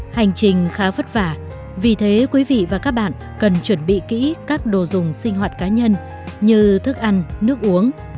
hành trình khá vất vả vì thế quý vị và các bạn cần chuẩn bị kỹ các đồ dùng sinh hoạt cá nhân như thức ăn nước uống